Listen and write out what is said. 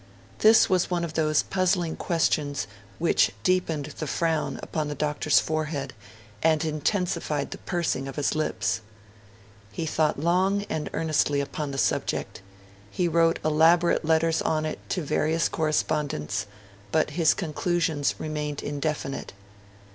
This was one of those puzzling questions which deepened the frown upon the Doctor's forehead and intensified the pursing of his lips. He thought long and earnestly upon the subject; he wrote elaborate letters on it to various correspondents; but his conclusions remained indefinite.